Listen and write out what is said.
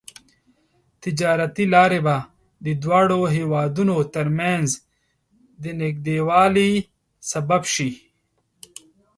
تجارتي لارې به د دواړو هېوادونو ترمنځ د نږدیوالي سبب شي.